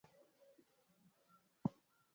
Tutafuteni nanma ya ku uza ma mpango ya mashamba